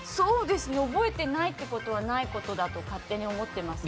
覚えてないということはないことだと勝手に思ってます。